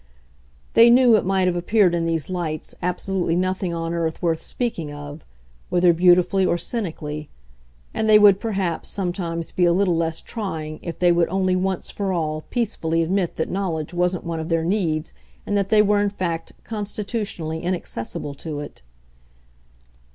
They knew, it might have appeared in these lights, absolutely nothing on earth worth speaking of whether beautifully or cynically; and they would perhaps sometimes be a little less trying if they would only once for all peacefully admit that knowledge wasn't one of their needs and that they were in fact constitutionally inaccessible to it.